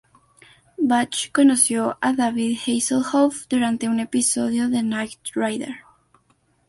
Bach conoció a David Hasselhoff durante un episodio de "Knight Rider".